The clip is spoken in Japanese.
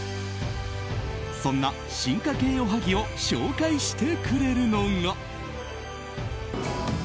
そんな進化形おはぎを紹介してくれるのが。